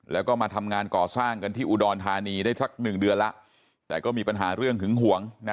แล้วก็มาทำงานก่อสร้างกันที่อุดรธานีได้สักหนึ่งเดือนแล้วแต่ก็มีปัญหาเรื่องหึงหวงนะ